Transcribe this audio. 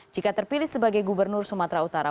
jika terpilih sebagai gubernur sumatera utara